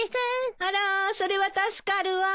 あらそれは助かるわ。